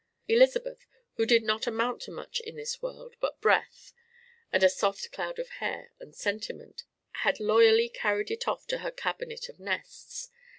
Elizabeth, who did not amount to much in this world but breath and a soft cloud of hair and sentiment, had loyally carried it off to her cabinet of nests.